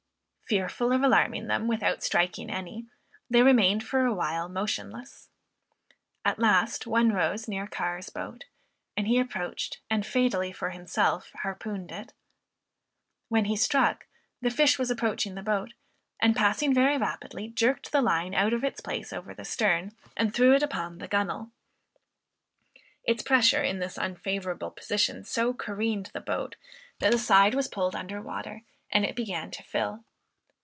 Fearful of alarming them without striking any, they remained for a while motionless. At last one rose near Carr's boat, and he approached, and fatally for himself, harpooned it. When he struck, the fish was approaching the boat; and, passing very rapidly, jerked the line out of its place over the stern, and threw it upon the gunwale. Its pressure in this unfavorable position so careened the boat, that the side was pulled under water, and it began to fill.